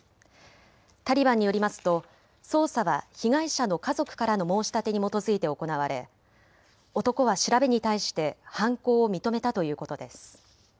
タリバンによりますと捜査は被害者の家族からの申し立てに基づいて行われ男は調べに対して犯行を認めたということです。